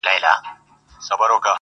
• زه وايم دا.